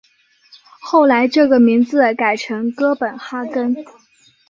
后来这个名字改成哥本哈根。